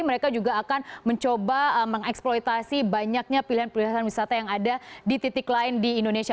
mereka juga akan mencoba mengeksploitasi banyaknya pilihan pilihan wisata yang ada di titik lain di indonesia